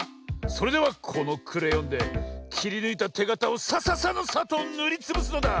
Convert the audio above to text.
それではこのクレヨンできりぬいたてがたをサササのサッとぬりつぶすのだ！